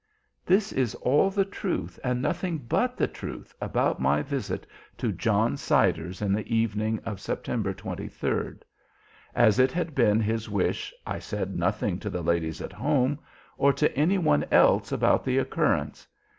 "This is all the truth, and nothing but the truth, about my visit to John Siders on the evening of September 23rd. As it had been his wish I said nothing to the ladies at home, or to any one else about the occurrence.